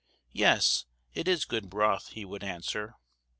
"Yes, it is good broth," he would answer.